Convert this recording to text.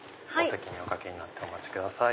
おかけになってお待ちください。